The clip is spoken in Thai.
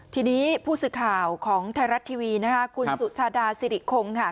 ทีนี้ผู้สื่อข่าวของไทยรัฐทีวีนะคะคุณสุชาดาสิริคงค่ะ